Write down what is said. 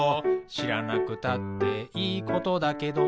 「しらなくたっていいことだけど」